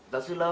giáo sư lâm